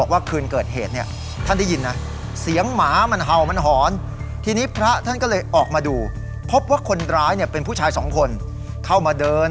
ว่าคืนเกิดเหตุเนี่ยท่านได้ยินนะเสียงหมามันเห่ามันหอนทีนี้พระท่านก็เลยออกมาดูพบว่าคนร้ายเนี่ยเป็นผู้ชายสองคนเข้ามาเดิน